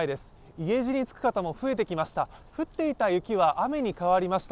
家路につく方も増えてきました。